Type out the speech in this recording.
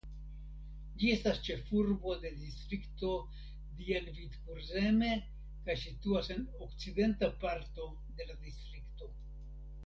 Ĝi estas ĉefurbo de distrikto Dienvidkurzeme kaj situas en okcidenta parto de la distrikto.